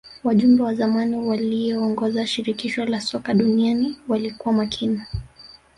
wajumbe wa zamani waliyoongoza shirikisho la soka duniani walikuwa makini